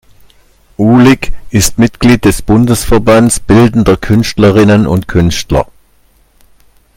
Uhlig ist Mitglied des Bundesverbands Bildender Künstlerinnen und Künstler.